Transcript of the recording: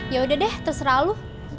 ya udah deh terserah lu